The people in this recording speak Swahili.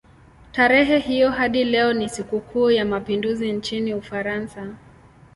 Tarehe hiyo hadi leo ni sikukuu ya mapinduzi nchini Ufaransa.